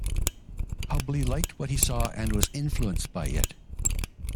Hubley liked what he saw and was influenced by it.